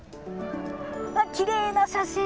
きれいな写真。